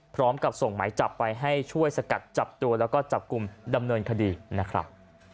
พร้อมกับส่งหมายจับไปให้ช่วยสกัดจับตัวแล้วก็จับกลุ่มดำเนินคดีนะครับ